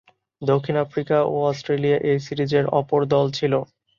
দক্ষিণ আফ্রিকা ও Australia A সিরিজের অপর দল ছিল।